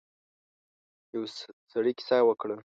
يو سړی کيسه وکړه.